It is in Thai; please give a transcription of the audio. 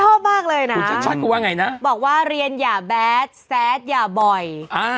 ชอบมากเลยนะคุณชัดชาติก็ว่าไงนะบอกว่าเรียนอย่าแบดแซดอย่าบ่อยอ่า